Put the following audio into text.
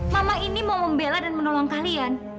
mama ini mau membela dan menolong kalian